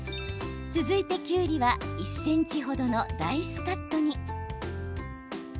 続いて、きゅうりは１ｃｍ程のダイスカットに。